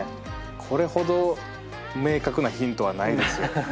これほど明確なヒントはないですよ。